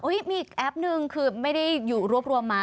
มีอีกแอปนึงคือไม่ได้อยู่รวบรวมมา